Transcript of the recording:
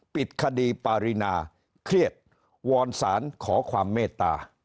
ปิดคดีปารีนาเครียดวอนสารขอความเมตตา